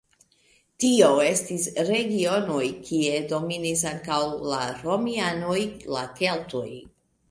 Tio estis regionoj kie dominis antaŭ la romianoj la keltoj.